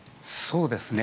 そうですね。